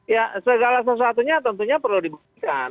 ya segala sesuatunya tentunya perlu dibuktikan